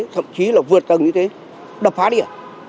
thậm chí là vượt tầng như thế đập phá đi à